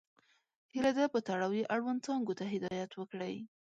هیله ده په تړاو یې اړوند څانګو ته هدایت وکړئ.